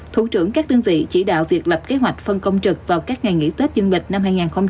thủ trưởng các đơn vị chỉ đạo việc lập kế hoạch phân công trực vào các ngày nghỉ tết dương lịch năm hai nghìn hai mươi bốn